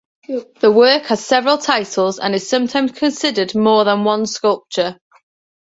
The work has several titles and is sometimes considered more than one sculpture.